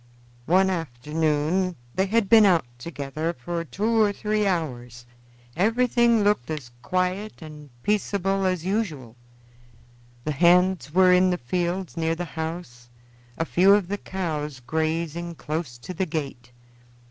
One afternoon they had been out together for two or three hours; everything looked as quiet and peaceable as usual; the hands were in the fields near the house, a few of the cows grazing close to the gate.